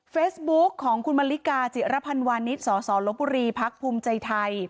เฟสบุ๊กของคุณมลิกาจิระพันวานิสสสลปุรีพรรคภูมิใจไทย